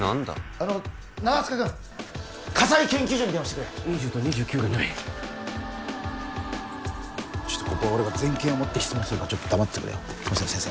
あの中塚君火災研究所に電話してくれ２０と２９がないここは俺が全権を持って質問するから黙っててくれよ先生